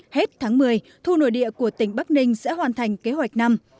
hết tháng một mươi thu nội địa của tỉnh bắc ninh sẽ hoàn thành kế hoạch năm